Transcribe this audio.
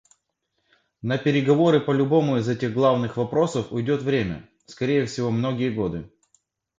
На переговоры по любому из этих главных вопросов уйдет время — скорее всего, многие годы.